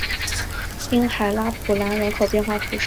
滨海拉普兰人口变化图示